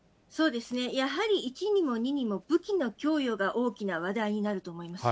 やはり一にも二にも武器の供与が大きな話題になると思います。